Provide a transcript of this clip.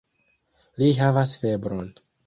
Li havas febron.